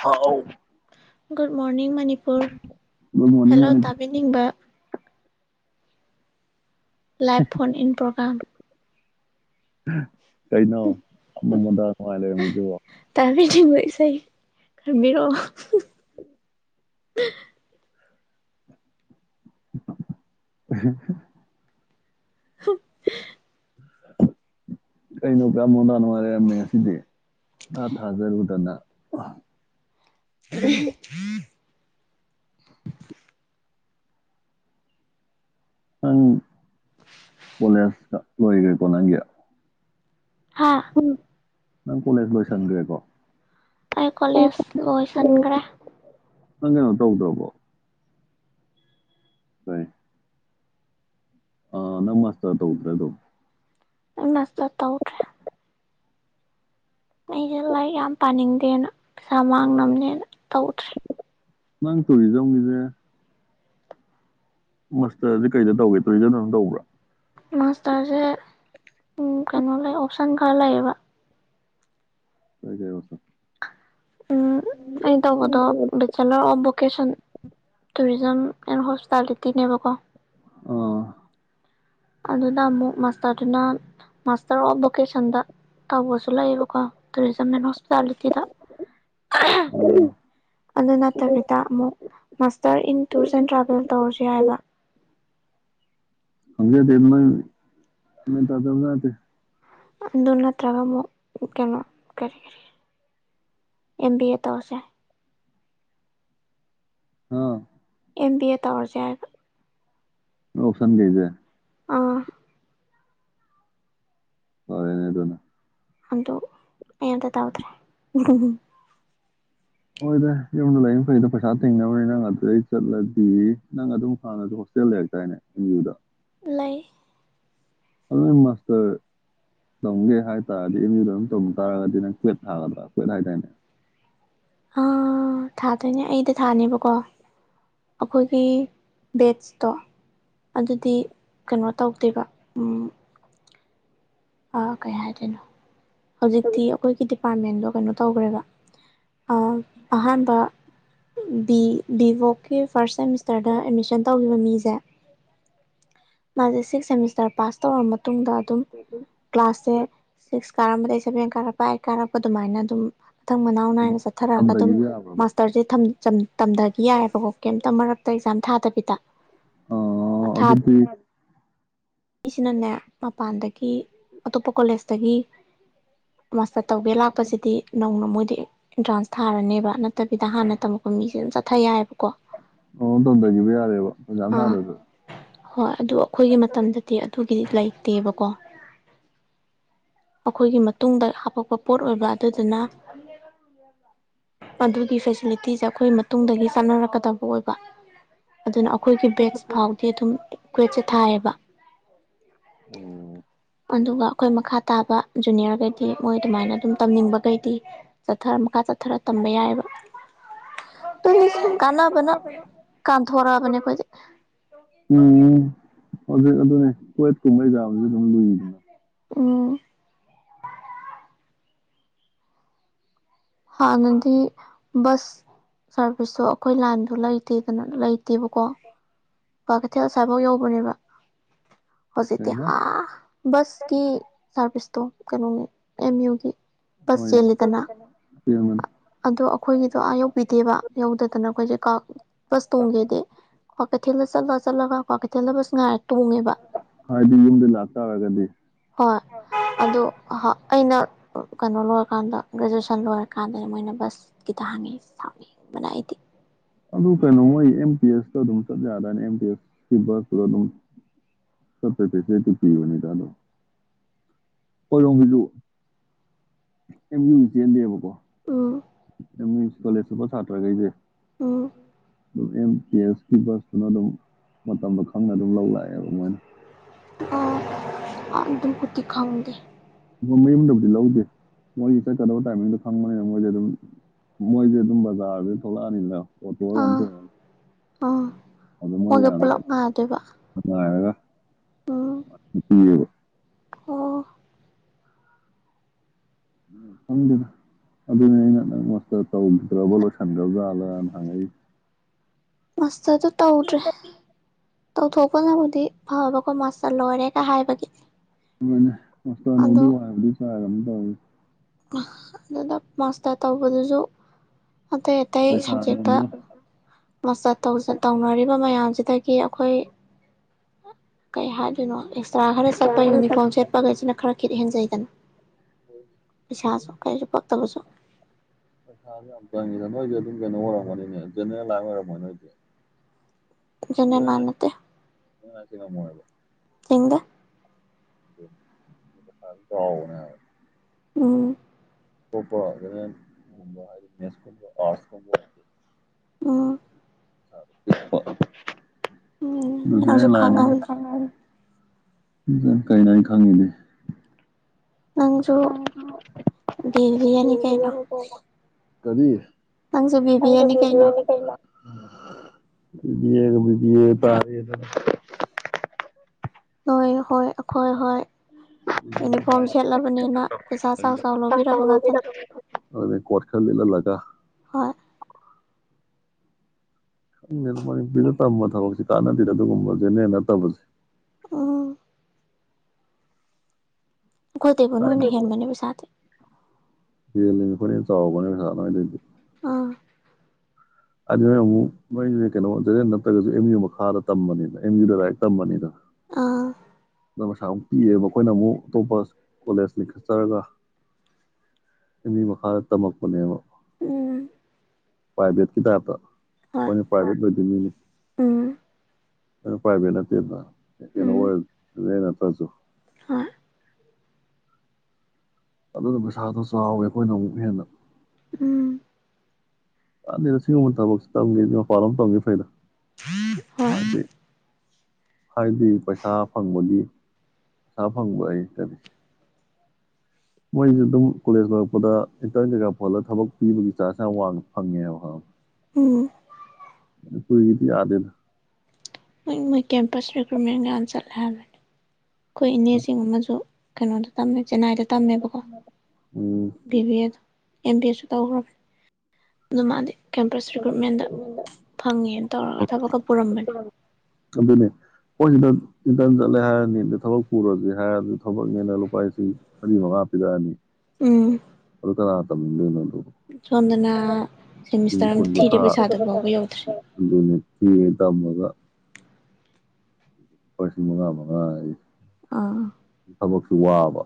ꯍꯥꯎ ꯨꯠ morning Manipur good morning hello ꯃꯅꯤ ꯇꯥꯕꯤꯅꯤꯡꯕ ꯂꯥꯏꯚ ꯐꯣꯟ ꯏꯟ ꯄ꯭ꯔꯣꯒ꯭ꯔꯝ ꯎꯝ ꯀꯩꯅꯣ ꯑ ꯃꯗ ꯅꯨꯡꯉꯥꯏ ꯂꯩꯔꯝꯃꯤꯗꯨꯕꯣ ꯊꯕ ꯏꯁꯩ ꯈꯔꯕꯤꯔꯛꯑꯣ [unintelligible] [unintelligible] ꯀꯩꯅꯣ ꯀꯃꯣꯗꯥ ꯅꯨꯡꯉ ꯂꯩꯔꯝꯃꯦ ꯑꯁꯤꯗꯤ ꯊꯥ ꯊꯥꯖꯔꯨꯗꯅ ꯎꯝ ꯅꯪ ꯀꯣꯂꯦꯁ ꯂꯣꯏꯒꯀꯣ ꯅꯪꯒꯤ ꯍꯥꯥ ꯅꯪ ꯀꯣꯂꯦꯖ ꯂꯣꯏꯁꯟꯈ꯭ꯔꯦꯀꯣ ꯑꯩ ꯀꯣꯂꯦꯖ ꯂꯣꯏꯁꯤꯟꯈ꯭ꯔꯦ ꯅꯪ ꯀꯩꯅꯣ ꯇꯧꯗ꯭ꯔꯕꯣ ꯍꯣꯏ ꯑꯥ ꯅꯪ ꯃꯥꯁꯇꯔ ꯇꯧꯗ꯭ꯔꯦ ꯑꯗꯨꯝ ꯁ ꯇꯥꯎꯠ꯭ꯔꯦ ꯑꯩꯁꯦ ꯂꯥꯏꯔꯤꯛ ꯌꯥꯝ ꯄꯥꯅꯤꯡꯗꯦꯅ ꯄꯩꯁꯥ ꯃꯥꯡꯅꯕꯅꯦꯅ ꯇꯧꯗ꯭ꯔꯦ ꯅꯪ ꯇꯧꯔꯤ ꯆꯧꯒꯤꯁꯦ ꯃꯁꯇꯔꯗꯤ ꯀꯩꯗ ꯇꯧꯒꯦ ꯇꯨꯔꯤꯗꯟ ꯑꯗꯨꯝ ꯇꯧꯕ꯭ꯔꯥ ꯃꯥꯁꯇꯔꯁꯦ ꯀꯩꯅꯣ ꯂꯩ ꯑꯣꯞꯁꯟ ꯈꯔ ꯂꯩꯌꯦꯕ ꯀꯥꯏ ꯀ ꯋꯥꯁ ꯎꯝ ꯑꯩ ꯇꯧꯕꯗꯣ ꯕꯂꯕꯀꯦꯁꯟ ꯇꯔꯤꯁ ꯝ ꯑꯦ ꯍꯣꯁꯇꯥꯇꯅꯦꯕꯀꯣ ꯑ ꯑꯗꯨꯅ ꯑꯃꯨꯛ ꯃꯥꯁꯇꯔꯗꯨꯅ ꯃꯥꯁꯇꯔ ꯑꯣꯐ ꯚꯣꯀꯦꯁꯟꯗ ꯇꯧꯕꯁꯨ ꯂꯩꯌꯦꯕꯀꯣ ꯇꯨꯔꯤꯖꯝ ꯑꯦꯟ ꯍꯣꯁ ꯆꯂꯦꯇꯗ ꯑꯗꯨ ꯅꯠꯇꯕꯤꯗ ꯑꯃꯨꯛ master in touch and travels ꯇꯧꯔꯁꯤ ꯍꯥꯏꯕ ꯍꯪꯒꯦ ꯇꯅ ꯇꯗꯒ ꯑꯗꯨ ꯅꯠꯇ꯭ꯔꯒ ꯑꯃꯨꯛ ꯀꯩꯅꯣ ꯀꯔꯤ ꯀꯔꯤ ꯑꯦꯝ ꯕꯤ ꯑꯦ ꯇꯧꯁꯦ ꯑꯝ ꯑꯦꯝ ꯕꯤ ꯑꯦ ꯇꯧꯔꯁꯦ ꯑꯣꯁꯟ ꯀꯩꯁꯦ ꯑꯥ ꯍꯅꯦ ꯑꯗꯨꯅ ꯑꯗꯨꯣ ꯌꯦ ꯇ ꯇꯥꯎꯗ꯭ꯔꯦ ꯎ ꯍꯣꯏꯗ ꯌꯨꯝꯗ ꯂꯥꯏꯌꯦꯡ ꯐꯩꯗ ꯄꯩꯁꯥ ꯊꯦꯡꯅꯕꯅꯤ ꯅꯪ ꯑꯗꯨꯗꯩ ꯆꯠꯂꯗꯤ ꯅꯪ ꯑꯗꯨꯝ ꯍꯥꯟꯅꯁꯨ ꯍꯣꯁꯇꯦꯜ ꯂꯩꯔꯛꯇꯔꯅꯦ ꯑꯦꯝ ꯌꯨꯗ ꯂꯩ ꯑꯗꯨ ꯅ ꯃꯥꯁꯇꯔ ꯇꯝꯒꯦ ꯍꯥꯏ ꯇꯥꯔꯗꯤ ꯑꯦꯝ ꯌꯨꯗ ꯑꯗꯨꯝ ꯇꯧ ꯇꯥꯔꯒꯗꯤ ꯅꯪ ꯀ꯭ꯋꯦꯠ ꯍꯥꯏꯒꯗ꯭ꯔꯥ ꯀ꯭ꯋꯦꯠ ꯍꯥꯏꯇꯥꯅꯦ ꯊꯥꯗꯣꯏꯅꯦ ꯑꯩꯗ ꯊꯥꯅꯦꯕꯀꯣ ꯑꯩꯈꯣꯏꯒꯤ ꯕꯦꯠꯁꯇꯣ ꯑꯗꯨꯗꯤ ꯀꯩꯅꯣ ꯇꯧꯗꯦꯕ ꯑꯥ ꯀꯩ ꯍꯥꯏꯗꯦꯅ ꯍꯧꯖꯤꯛꯇꯤ ꯑꯩꯈꯣꯏꯒꯤ ꯗꯤꯄꯥꯔꯠꯃꯦꯟꯗꯣ ꯀꯩꯅꯣ ꯇꯧꯈ꯭ꯔꯦꯕ ꯑꯍꯥꯟꯕ ꯕꯤ ꯕꯤꯕꯣꯛꯀꯤ ꯐꯥꯔꯁ ꯁꯦꯃꯤꯁꯇꯔꯗ ꯑꯦꯗꯃꯤꯁꯟ ꯇꯧꯈꯤꯕ ꯃꯤꯁꯦ ꯃꯥꯁꯦ ꯁꯤꯛꯁ ꯁꯦꯃꯤꯁꯇꯔ ꯄꯥꯁ ꯇꯧ ꯃꯇꯨꯡ ꯃꯇꯨꯡꯗ ꯑꯗꯨꯝ ꯀ꯭ꯂꯥꯁꯁꯦ ꯁꯤꯛꯁ ꯀꯥꯔꯝꯕꯗꯒꯤ ꯑꯩ ꯁꯕꯦꯟ ꯀꯥꯔꯛꯄ ꯑꯥꯏꯠ ꯀꯥꯔꯛꯄ ꯑꯗꯨꯃꯥꯏꯅ ꯑꯗꯨꯝ ꯃꯊꯪ ꯃꯅꯥꯎ ꯅꯥꯏꯅ ꯆꯠꯊꯔꯛꯑꯒ ꯑꯗꯨꯝ ꯇꯝꯗꯒꯤꯕ ꯌꯥꯕ꯭ꯔꯕ ꯃꯥꯁꯇꯔꯁꯦ ꯇꯝꯊꯈꯤ ꯌꯥꯏꯑꯕꯀꯣ ꯀꯩꯝꯇ ꯃꯔꯛ ꯑ ꯑꯦꯛꯖꯥꯝ ꯊꯥꯗꯕꯤꯗ ꯑꯥ ꯊꯥ ꯑꯗꯨꯗꯤ ꯁꯅꯅꯦꯦ ꯃꯄꯥꯟꯗꯒꯤ ꯑꯇꯣꯞꯄ ꯀꯣꯂꯦꯖ ꯑꯗꯒꯤ ꯃꯥꯁꯇꯔ ꯇꯧꯒꯦ ꯂꯥꯛꯄꯁꯤꯗꯤ ꯅꯧꯅ ꯃꯣꯏꯗꯤ ꯑꯦꯟꯇ꯭ꯔꯥꯟꯁ ꯊꯥꯔꯅꯦꯕ ꯅꯠꯇꯕꯤꯗ ꯍꯥꯟꯅ ꯇꯝꯃꯛꯄ ꯃꯤꯁꯦ ꯑꯗꯨꯝ ꯆꯠꯊ ꯌꯥꯏꯑꯕ ꯑꯣ ꯇꯣꯟꯊꯈꯤꯕ ꯌꯥꯔꯦꯕ ꯐꯖꯥꯅ ꯑꯥ ꯊꯥꯔꯁꯨ ꯍꯣꯏ ꯑꯗꯨꯗ ꯑꯩꯈꯣꯏꯒꯤ ꯃꯇꯝꯗ ꯂꯩꯇꯦꯕꯀꯣ ꯑꯩꯈꯣꯏꯒꯤ ꯃꯇꯨꯡꯗ ꯍꯥꯄꯛꯄ ꯄꯣꯠ ꯑꯣꯏꯕ ꯑꯗꯨꯗꯨꯅ ꯑꯗꯨꯒꯤ ꯐꯦꯁꯤꯂꯤꯇꯤꯁꯦ ꯑꯩꯈꯣꯏ ꯃꯇꯨꯡ ꯆꯥꯅꯔꯛꯀꯗꯕ ꯑꯣꯏꯕ ꯑꯗꯨ ꯑꯩꯈꯣꯏꯒꯤ ꯕꯦꯠꯁ ꯐꯥꯎꯗꯤ ꯑꯗꯨꯝ ꯏꯀ꯭ꯋꯦꯠꯁꯦ ꯊꯥꯏꯌꯦꯕ ꯑꯣ ꯑꯗꯨꯒ ꯑꯩꯈꯣꯏ ꯃꯈꯥ ꯇꯥꯕ ꯖꯨꯅꯤꯌꯔꯈꯩꯗꯤ ꯃꯣꯏ ꯑꯗꯨꯃꯥꯏꯅ ꯑꯗꯨꯝ ꯇꯝꯅꯤꯡꯕꯈꯩꯗꯤ ꯆꯠꯊꯔ ꯃꯈꯥ ꯆꯠꯊꯔ ꯇꯝꯕ ꯌꯥꯏꯑꯕ ꯀꯥꯟꯅꯕꯅ ꯀꯥꯟꯊꯣꯔꯛꯑꯕꯅꯦ ꯑꯩꯈꯣꯏꯁꯦ ꯎꯝ ꯍꯧꯖꯤꯛ ꯑꯗꯨꯅꯦ ꯀꯠ ꯀꯨꯝꯕꯩ ꯆꯥꯕꯁꯨ ꯑꯗꯨꯝ ꯂꯨꯏꯗꯅ ꯎꯝ ꯍꯅꯗꯤ ꯕꯁ ꯁꯥꯔꯚꯤꯁꯇꯣ ꯑꯩꯈꯣꯏ ꯂꯥꯏꯟꯗꯣ ꯂꯩꯇꯦꯗꯅ ꯂꯩꯇꯦꯕꯀꯣ ꯀ꯭ꯄꯥ ꯀꯩꯊꯦꯜ ꯑꯁꯥꯏꯐꯧ ꯌꯧꯕꯅꯦꯕ ꯍꯖꯤꯇ ꯀꯩꯕ ꯑ ꯁꯀꯤ ꯁꯥꯔꯚꯤꯁꯇꯣ ꯀꯩꯅꯣꯅꯤ ꯑꯦꯝ ꯌꯨꯒꯤ ꯕꯁ [unintelligible] ꯆꯦꯜꯂꯤꯗꯅ ꯀꯟ ꯑꯗꯣ ꯑꯩꯈꯣꯏꯒꯤꯗꯣ ꯑꯥ ꯌꯧꯕꯤꯗꯦꯕ ꯌꯧꯗꯗꯅ ꯑꯩꯈꯣꯏꯁꯦ ꯀꯥ ꯄꯁ ꯇꯣꯡꯒꯦꯗ ꯑꯣ ꯀ ꯊꯤ ꯂ ꯆꯠꯂꯒ ꯆꯂꯒ ꯀꯣ ꯀꯩꯣꯕꯁꯅꯉꯔ ꯇꯣꯡꯉꯦꯕ ꯍꯥꯏꯗꯤ ꯌꯨꯝꯗꯩ ꯂꯥꯛ ꯇꯥꯔꯒꯗꯤ ꯍꯣꯏ ꯑ ꯑꯩꯅ ꯀꯩꯅꯣ ꯂꯣꯏꯔꯀꯥꯟꯗ ꯒ꯭ꯔꯦꯖꯨꯑꯦꯁꯟ ꯂꯣꯏꯔꯀꯥꯟꯗ ꯑꯗꯨꯅ ꯃꯣꯏꯅ ꯕꯁꯀꯤꯈꯤꯇ ꯍꯥꯡꯉꯤ ꯁꯥꯎꯉ ꯃꯅ ꯑꯩꯗꯤ ꯑꯗꯨ ꯀꯩꯅꯅ ꯑꯣꯏꯣꯏ ꯑꯦꯦꯝ ꯄ ꯑꯦꯁ ꯗꯥꯅꯦꯅꯤꯗꯣ ꯀꯣꯏꯔꯣꯝꯁꯤꯁꯨ ꯑꯦꯝ ꯌ ꯆꯦꯟꯗꯦꯕꯀꯣ ꯎꯝ ꯑꯗꯨꯃꯦ ꯀꯣꯂꯦꯖꯁꯨꯄ ꯁꯥꯇ꯭ꯔꯒꯩꯁꯦ ꯎꯝ ꯑꯗꯨꯝ ꯑꯦꯝ ꯄꯤ ꯑꯦꯁꯀꯤ ꯕꯁꯇꯨꯅ ꯑꯗꯨꯝ ꯃꯇꯝꯗ ꯈꯪꯅ ꯑꯗꯨꯝ ꯂꯧ ꯂꯥꯛꯑꯦꯕ ꯃꯣꯏꯅ ꯑ ꯑꯗꯨ ꯑꯗꯨꯝ ꯈꯨꯨꯔꯇꯤ ꯈꯥꯎꯅꯤꯡꯗ ꯃꯌꯨꯝꯗꯕꯨꯗꯤ ꯂꯧꯗꯦ ꯃꯣꯏꯒꯤ ꯆꯠꯀꯗꯕ ꯇꯥꯏꯃꯤꯡꯗꯣ ꯐꯪꯕꯅꯤꯅ ꯃꯣꯏꯁꯦ ꯑꯗꯨꯝ ꯃꯣꯏꯁꯦ ꯑꯗꯨꯝ ꯕꯖꯥꯔꯗ ꯊꯣꯛꯂꯛꯑꯅꯤꯅ ꯍ ꯑꯥ ꯑꯥ ꯃꯣꯏꯒ ꯑꯗꯨꯗ ꯄꯨꯂꯞ ꯉꯥꯏꯗꯣꯏꯕ ꯃꯔꯤꯒ ꯎꯝ [unintelligible] ꯑꯣ ꯎ ꯈꯪꯗꯦꯗ ꯑꯗꯨꯅꯤ ꯑꯩꯅ ꯅꯪ ꯃꯣꯁꯇ ꯇꯧꯈꯤꯗ꯭ꯔꯕ ꯂꯣꯏꯁꯤꯟꯒ꯭ꯔꯕꯖꯥꯜꯂꯅ ꯍꯪꯉꯛꯏꯁꯦ ꯃꯁꯇꯗ ꯇꯧꯗ꯭ꯔꯦ ꯇꯧꯊꯣꯛꯄꯅꯕꯨꯗꯤ ꯐꯕꯈꯣꯏ ꯃꯥꯁꯇꯔ ꯂꯣꯏꯔꯦꯒ ꯍꯥꯏꯕꯒꯤ ꯑꯗꯨꯅꯦ ꯑꯗꯣ ꯍꯁꯗꯤ ꯋꯥꯔꯗꯤ ꯁꯥꯔꯕꯝ ꯍ ꯑꯗꯨꯗ ꯃꯥꯁꯇ ꯇꯧꯕꯗꯨꯁꯨ ꯑꯇꯩ ꯑꯇꯩ ꯁꯕꯖꯦꯦꯛꯛꯇ ꯄꯩꯁꯥꯅꯦꯕ ꯃꯁ ꯄꯩꯁꯥꯁꯨ ꯇꯧꯅꯔꯤꯕ ꯃꯌꯥꯝꯁꯤꯗꯒꯤ ꯑꯩꯈꯣꯏ ꯀꯩ ꯍꯥꯏꯗꯨꯅꯣ ꯆꯥ ꯈꯔ ꯆꯠꯄ ꯌꯨꯅꯤꯐꯣꯔꯝ ꯁꯦꯠꯄꯈꯩꯁꯤꯅ ꯈꯔ ꯈꯦꯠꯍꯦꯟꯖꯩꯒꯅ ꯄꯁ ꯁ ꯀ ꯄ ꯇꯁꯨꯣ ꯄꯁꯥ ꯌꯥꯝ ꯆꯪꯉꯤꯗ ꯅꯣꯏꯁꯦ ꯑꯗꯨꯝ ꯀꯩꯅꯣ ꯑꯣꯏꯔꯝꯃꯅꯤꯅꯦ ꯖꯦꯅꯦꯔꯦꯜ ꯂꯥꯏ ꯑꯣꯏꯔꯝꯃ ꯅꯣꯏꯁꯦ ꯅ ꯃꯅꯠꯇ ꯉꯁꯤ ꯃꯣꯦꯕ ꯍꯗ ꯅꯦ ꯎꯝ ꯄꯄ ꯑꯗꯨꯨꯝ ꯀꯨꯝꯕꯔꯁ ꯀꯕ ꯑꯣ ꯎꯝ [unintelligible] ꯁ ꯅꯪꯁꯨ ꯂꯅꯤ ꯈꯪꯉꯝꯅꯤ ꯀꯩꯅꯣ ꯑꯩ ꯈꯪꯉꯤꯗꯤ ꯅꯪꯁꯨ ꯕꯤ ꯕꯤ ꯑꯦꯅꯤ ꯀꯩꯅꯣ [unintelligible] ꯀꯔꯤ ꯅꯪꯁꯨ ꯄꯕꯤꯕꯤꯔꯅꯤ ꯀꯩꯅꯣ ꯕꯤꯕꯤ ꯑꯦꯒꯕꯤꯕꯤ ꯑꯦ ꯇꯥꯔꯗꯅ ꯍꯣꯏ ꯍꯣꯏ ꯍꯣꯏ ꯍꯣꯏ ꯌꯨꯅꯤꯐꯣꯔꯝ ꯁꯦꯠꯂꯕꯅꯤꯅ ꯄꯩꯁꯥ ꯆꯥꯎ ꯆꯥꯎ ꯂꯧꯕꯤꯔꯕ ꯉꯥꯛꯇꯅꯤ ꯑꯗꯨꯗꯩ ꯀꯣꯠ ꯈꯔ ꯂꯤꯠꯍꯜꯂꯒ ꯍꯣꯏ ꯈꯪꯉꯦ ꯑꯗꯨ ꯃ ꯅꯨꯄꯤꯅ ꯇꯝꯕ ꯊꯕꯛꯁ ꯀꯥꯟꯅꯕꯤꯗ ꯑꯗꯨꯒꯨꯝꯕꯁꯦꯅꯦ ꯅꯠꯇꯕꯁꯦ ꯎꯝ ꯀꯣꯗꯦꯕꯨ ꯅꯣꯏꯅ ꯍꯥꯏꯗꯤ ꯍꯦꯟꯕꯅꯦꯕꯩꯁꯥꯗꯦ ꯌꯦꯦꯜꯂꯤꯕ ꯑꯩꯈꯣꯏꯅ ꯆꯥꯎꯕꯅꯦꯁꯥ ꯅꯣꯏꯗꯗꯤ ꯑꯥ ꯑꯗꯨ ꯅꯣꯏ ꯑꯃꯨꯛ ꯃꯣꯏꯁ ꯀꯩꯅꯣ ꯖꯦꯟ ꯅꯠꯇ꯭ꯔꯒꯁꯨ ꯑꯦꯝ ꯌꯨ ꯃꯈꯥꯗ ꯇꯝꯕꯅꯤꯅ ꯑꯦꯝ ꯌꯨꯗ ꯂꯥꯏꯔꯤꯛ ꯇꯝꯕꯅꯤꯅ ꯑꯥ ꯅ ꯄꯩꯁꯥ ꯑꯃꯨꯛ ꯄꯤꯌꯦꯦꯕ ꯃꯈꯈꯣꯏꯅ ꯑꯃꯨꯛ ꯑꯇꯣꯞꯄ ꯀꯣꯂꯦꯖ ꯂꯤꯡꯈꯠꯆꯔꯒ ꯃꯤ ꯃꯈꯥꯗ ꯇꯝꯃꯛꯄꯅꯦꯕ ꯎꯝ ꯄ꯭ꯔꯥꯏꯚꯦꯠꯀꯤ ꯇꯥꯏꯞꯇ ꯍꯣꯏ ꯑꯩꯈꯣꯏꯅ ꯄ꯭ꯔꯥꯏꯚꯦꯠ ꯑꯣꯏꯗꯣꯏ ꯃꯤꯅꯤ ꯎꯝ ꯑꯩꯅ ꯄ꯭ꯔꯥꯏꯚꯦꯠ ꯅꯠꯇꯦꯗꯅ ꯀꯩꯅꯣ ꯎꯝ ꯑꯣꯏꯔꯗꯤ ꯦ ꯅꯠꯇꯁꯨꯨ ꯍꯣꯏ ꯑꯗꯨꯅ ꯄꯩꯁꯥꯗꯣ ꯆꯥꯎꯋꯦ ꯑꯩꯈꯣꯏꯅ ꯑꯃꯨꯛ ꯍꯦꯟꯅ ꯎꯝ ꯁꯤꯒꯨꯝꯕ ꯊꯕꯛꯁꯤ ꯇꯝꯒꯦꯗꯤ ꯃꯄꯥꯟꯣꯝ ꯇꯝꯒꯦ ꯐꯩꯗ ꯍꯣꯏ ꯍꯥꯏꯗꯤ ꯍꯥꯏꯗꯤ ꯄꯩꯁꯥ ꯐꯪꯕꯒꯤ ꯄꯩꯁꯥ ꯐꯪꯕ ꯑꯩ ꯀꯔꯤ ꯃꯣꯏꯁꯨꯦ ꯑꯗꯨꯝ ꯀꯣꯂꯦꯖ ꯂꯣꯏꯔꯛꯄꯗ ꯏꯟꯇꯔꯟ ꯀꯩꯀꯥ ꯐꯣꯍꯜꯂꯒ ꯊꯕꯛ ꯄꯤꯕꯒꯤ ꯆꯥꯟꯁ ꯌꯥꯝ ꯋꯥꯡꯅ ꯐꯪꯉꯦꯕ ꯎꯝ ꯀꯣꯏꯒꯤꯗꯤ ꯌꯥꯗꯅ ꯃꯣꯏ ꯃꯣꯏ ꯀꯦꯝꯄꯁ ꯔꯤꯀ꯭ꯔꯨꯠꯃꯦꯟ ꯉ ꯆꯠꯂꯦ ꯍꯥꯏꯕꯅꯤ ꯑꯩꯈꯣꯏ ꯏꯅꯦꯁꯤꯡ ꯑꯃꯁꯨ ꯀꯩꯅꯣꯗ ꯇꯝꯃꯦ ꯆꯦꯟꯅꯥꯏꯗ ꯇꯝꯃꯦꯕꯀꯣ ꯎꯝ ꯕꯤꯕꯤꯗꯣ ꯑꯦꯝ ꯕꯤ ꯑꯦꯁꯨ ꯇꯧꯈ꯭ꯔꯕꯅꯤ ꯑꯗꯨ ꯃꯥꯗꯤ ꯀꯦꯝꯄꯁ ꯔꯤꯀ꯭ꯔꯨꯏꯠꯃꯦꯟꯗ ꯐꯪꯉꯦꯅ ꯇꯧꯔꯒ ꯊ ꯄꯨꯔꯝꯕꯅꯤ ꯑꯗꯨꯅꯦ ꯑꯩꯈꯣꯏ ꯁꯤꯗ ꯏꯇꯔꯟ ꯆꯠꯂꯦ ꯍꯥꯏꯔꯅꯤ ꯑꯗ ꯊꯕꯛ ꯄꯨꯔꯁꯦ ꯍꯥꯏꯔꯗꯤ ꯊꯕꯛꯅꯦꯅ ꯂꯨꯄꯥ ꯂꯤꯁꯤꯡ ꯃꯔꯤ ꯃꯉꯥ ꯄꯤꯔꯛꯑꯅꯤ ꯎꯝ ꯔꯥꯃꯤꯅꯤ ꯁꯣꯝꯗꯅ ꯀꯨꯟ ꯁꯦꯃꯤꯁꯇꯔ ꯑꯝꯗ ꯊꯤꯔ ꯀꯨꯟꯊ꯭ꯔꯥ ꯄꯩꯁꯥꯗꯨ ꯐꯥꯎꯕ ꯌꯧꯗ꯭ꯔꯦ ꯎꯝ ꯇꯝꯃꯒ ꯄꯁꯤꯡ ꯃꯉꯥ ꯃꯉꯥ ꯍꯥꯏ ꯑꯥ ꯊꯕꯛꯁꯨ ꯋꯥ ꯋꯥ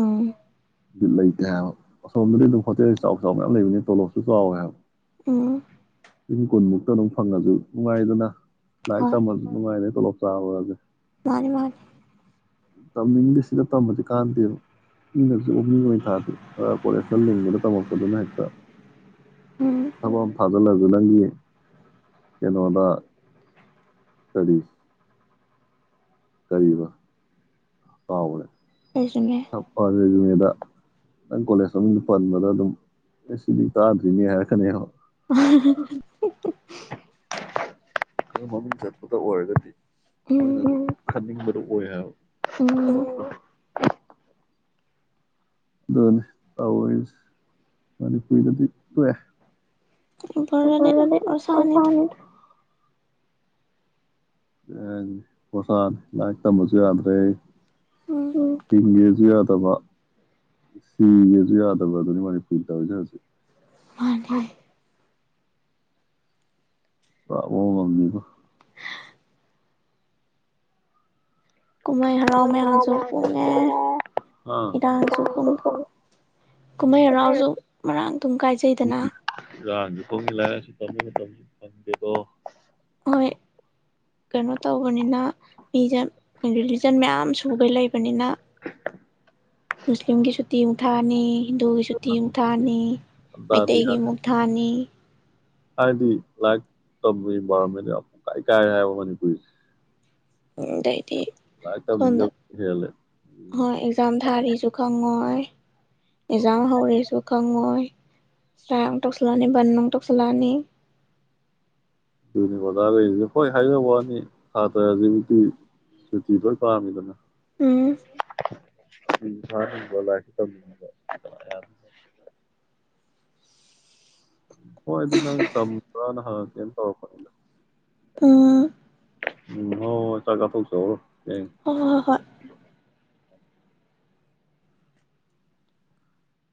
ꯎꯝ ꯂꯩꯇꯦ ꯍꯥꯏꯕ ꯑꯁꯣꯝꯗꯗꯤ ꯑꯗꯨꯝ ꯍꯣꯇꯦꯜ ꯆꯥꯎ-ꯆꯥꯎ ꯃꯌꯥꯝ ꯂꯩꯕꯅꯤ ꯇꯣꯂꯣꯞꯁꯨ ꯆꯥꯎꯋꯦ ꯍꯥꯏꯕ꯫ ꯎꯝ ꯑꯗꯨ ꯀꯣꯟꯃꯨꯛ ꯑꯗꯨꯝ ꯐꯪꯉꯁꯨ ꯅꯨꯡꯉꯥꯏꯗꯅ꯫ ꯂꯥꯏꯔꯤꯛ ꯇꯝꯕꯁꯨ ꯅꯨꯡꯉꯥꯏꯔꯦ꯫ ꯇꫭꯂꫭꯞ ꯆꯥꯕꯒꯁꯦ ꯃꯥꯅꯤ-ꯃꯥꯅꯤ꯫ [inaudible] ꯇꯝꯅꯤꯡꯗꯦ ꯁꯤꯗ ꯇꯝꯝꯕꯗꯤ ꯀꯥꯟꯅꯗꯦꯕ꯫ ꯃꯤꯅꯁꯨ ꯑꯣꯛꯅꯤꯡ ꯑꯣꯏꯅ ꯊꯥꯗꯦ ꯈꯔ ꯀꯣꯂꯦꯁ ꯈꯔ ꯂꯤꯡꯕꯗ ꯇꯝꯃꯛꯄꯗꯨꯅ ꯍꯦꯛꯇ ꯎꯝ ꯊꯕꯛ ꯑꯃ ꯊꯥꯗꯏꯛꯂ ꯗꯨ ꯅꯪꯗꯤ ꯀꯩꯅꫭꯗ ꯀꯔꯤ ꯀꯔꯤꯕ ꯀꯥꯎꯒ꯭ꯔꯦ꯫ ꯑꯩꯁꯨꯅꯦ [unintelligible] [inaudible] ꯅꯪ ꯀꯣꯂꯦꯖ ꯃꯃꯤꯡ ꯄꯟꯕꯗ ꯑꯗꯨꯝ ꯑꯦ ꯁꯤꯗꯤ ꯇꯥꯗ꯭ꯔꯤꯅꯦ ꯍꯥꯏꯔꯛꯀꯅꯤꯌꯦꯕ꯫ [unintelligible] ꯈ ꯃꯃꯤꯡ ꯆꯠꯄꯗ ꯑꯣꯏꯔꯒꯗꯤ ꯎꯝ ꯃꫭꯏꯅ ꯈꯟꯅꯤꯡꯕ ꯗꫭ ꯑꫭꯏ ꯍꯥꯏꯕ ꯎꯝ ꯑꯣ ꯑꯗꯨꯅꯤ ꯇꯧꯔꯤꯁꯤ ꯃꯅꯤꯄꯨꯔꯗꯗꯤ ꯇꫭꯛꯑꯦ꯫ ꯎꯄꯔꯗꯤ ꯎꯄꯔꯁꯥꯅꯤꯗ [unintelligible] [inaudible] [unintelligible] ꯂꯥꯏꯔꯤꯛ ꯇꯝꯕꯁꯨ ꯌꯥꯗ꯭ꯔꯦ꯫ ꯎꯝ ꯍꯤꯡꯒꯦꯁꯨ ꯌꯥ ꯇꯕ ꯁꯤꯒꯦꯁꯨ ꯌꯥꯗꯕ ꯑꯗꯨꯅꯤ ꯃꯅꯤꯄꯨꯔꯅ ꯇꯧꯔꯤꯁꯦ ꯍꯧꯖꯤꯛ꯫ ꯃꯥꯅꯤ [unintelligible] ꯄꯨꯔꯥ ꯃꯑꯣꯡ ꯑꯃꯅꯤꯕꯣ꯫ ꯀꯨꯝꯍꯩ ꯍꯔꯥꯎ ꯃꯌꯥꯝꯁꯨ ꯀꯨꯡꯉꯦ, ꯑꯥ ꯏꯔꯥꯡꯁꯨ ꯀꯨꯡ ꯀꯨꯝꯍꯩ ꯍꯔꯥꯎꯁꯨ ꯏꯔꯥꯡꯁꯨ ꯃꯔꯥꯡ ꯇꯨꯝ ꯀꯥꯏꯖꯩꯗꯅ꯫ [unintelligible] ꯍꯣꯏ ꯀꯩꯅꯣ ꯇꯧꯕꯅꯤꯅ ꯃꯤꯁꯦ ꯑꯩ ꯔꯤꯂꯤꯖꯟ ꯃꯌꯥꯝ ꯁꯨꯒꯩ ꯂꯩꯕꯅꯤꯅ ꯃꯨꯁꯂꯤꯝꯒꯤ ꯁꯨꯨꯇꯤ ꯃꯨꯛ ꯊꯥꯅꯤ ꯍꯤꯟꯗꯨꯒꯤ ꯁꯨꯇꯤ ꯑꯃꯨꯛ ꯊꯥꯅꯤ ꯇꯥꯗꯤ ꯃꯩꯇꯩꯒꯤ ꯑꯃꯨꯛ ꯊꯥꯅꯤ ꯍꯥꯏꯗꯤ ꯂꯥꯏꯔꯤꯛ ꯇꯝꯃꯤꯕꯥ ꯑꯃꯥꯗꯗꯤ ꯀꯥꯏ ꯍꯥꯏꯕ ꯃꯅꯤꯄꯨꯔꯁꯦ꯫ ꯎꯝ ꯗꯩ ꯗꯤ ꯂꯥꯏꯔꯤꯛ ꯁꯣꯝꯗ ꯇꯝꯅꯤꯡꯗꯕ ꯍꯦꯜꯂꯦ ꯍꯣꯏ ꯑꯦꯛꯖꯥꯝ ꯇꯝꯃꯦ ꯊꯥꯔꯤꯁꯨ ꯈꯪꯉꯣꯏ꯫ ꯑꯦꯀꯖꯥꯝ ꯍꯧꯔꯦꯁꯨ ꯀꯪꯉꯣꯏ ꯆ ꯇ ꯕꯥꯟ ꯑꯃꯨꯛ ꯇꯧꯁꯟꯂꯛꯑꯅꯤ ꯑꯣꯖꯒꯩꯁꯨ ꯍꯣꯏꯖꯕꯩ ꯋꯥꯅꯤ ꯁꯇ꯭ꯔ꯭ꯁꯨ ꯁꯨꯇꯤ ꯂꯣꯏ ꯄꯥꯝꯃꯤꯕꯅꯤ ꯎꯝ ꯎꯝ ꯍꯣꯏ ꯑꯗꯨ ꯅꯪ ꯇꯝꯕꯔꯅꯥ ꯍꯪꯉꯛꯀꯦꯅ ꯇꯧꯔꯦꯛꯄꯅꯦ ꯑ ꯎꯝ ꯍꯣꯏ ꯆꯥꯛ ꯆꯥꯊꯣꯛ ꯆꯔꯨꯔꯣ ꯍꯣꯏ ꯍꯣꯏ ꯍꯣꯏ ꯍꯣꯏ